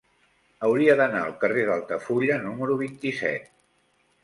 Hauria d'anar al carrer d'Altafulla número vint-i-set.